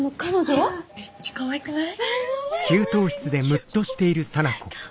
めっちゃかわいくない？